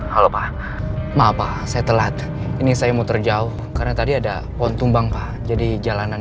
halo pak maaf pak saya telat ini saya muter jauh karena tadi ada pohon tumbang pak jadi jalanan